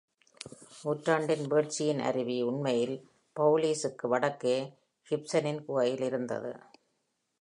நூற்றாண்டின் வீழ்ச்சியின் அருவி உண்மையில், பவுலீஸுக்கு வடக்கே கிப்சனின் குகையில் இருந்தது.